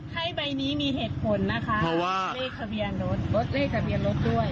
ให้ใบนี้มีเหตุผลนะคะว่าเลขทะเบียนรถลดเลขทะเบียนรถด้วย